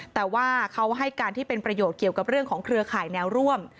แต่ว่าเขาให้การที่เป็นประโยชน์เกี่ยวกับเรื่องของเครือข่ายแนวร่วม